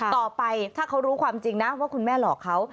ต่อไปถ้าเขารู้ความจริงนะว่าคุณแม่หลอกเขา